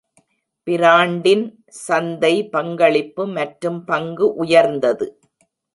பிராண்டின் சந்தை பங்களிப்பு மற்றும் பங்கு உயர்ந்தது.